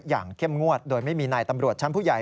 เข้มงวดโดยไม่มีนายตำรวจชั้นผู้ใหญ่